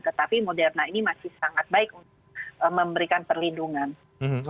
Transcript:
tetapi moderna ini masih sangat baik untuk memberikan perlindungan